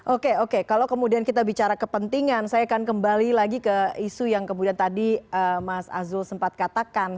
oke oke kalau kemudian kita bicara kepentingan saya akan kembali lagi ke isu yang kemudian tadi mas azul sempat katakan